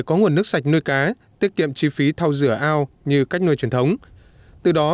có nguồn nước sạch nuôi cá tiết kiệm chi phí thau rửa ao như cách nuôi truyền thống từ đó